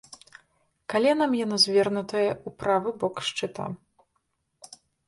Каленам яно звернутае ў правы бок шчыта.